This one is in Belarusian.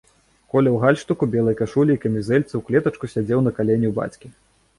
Коля ў гальштуку, белай кашулі і камізэльцы ў клетачку сядзеў на калене ў бацькі.